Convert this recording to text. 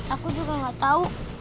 aku juga gak tau